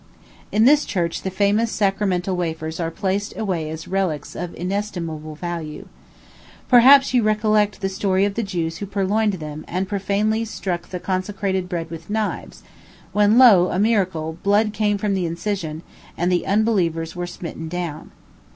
In this church the famous sacramental wafers are placed away as relics of inestimable value. Perhaps you recollect the story of the Jews who purloined them, and profanely stuck the consecrated bread with knives; when, lo, a miracle! blood came from the incision, and the unbelievers were smitten down.